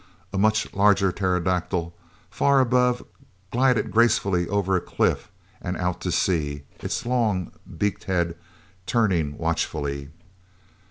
A much larger pterodactyl, far above, glided gracefully over a cliff, and out to sea, its long, beaked head turning watchfully.